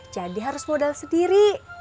jadi harus modal sendiri